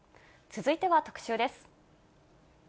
続いては特集です。